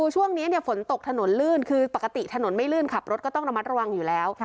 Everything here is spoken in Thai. ช่วงนี้ฝนตกถนนลื่นคือปกติถนนไม่ลื่นขับรถก็ต้องระมัดระวังอยู่แล้ว